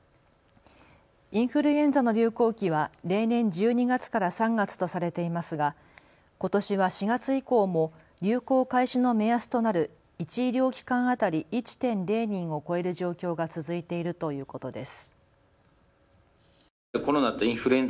インフルエンザの流行期は例年１２月から３月とされていますがことしは４月以降も流行開始の目安となる１医療機関当たり１．０人を超える状況が続いているということです。